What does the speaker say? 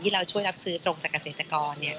เราช่วยรับซื้อตรงจากเกษตรกร